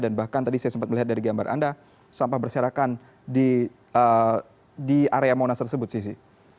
dan bahkan tadi saya sempat melihat dari gambar anda sampah berserakan di area monas tersebut sisi